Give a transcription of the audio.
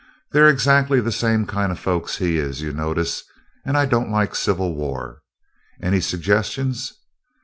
They're exactly the same kind of folks he is, you notice, and I don't like civil war. Any suggestions?